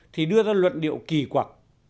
thì đưa ra luật điệu kỳ quặc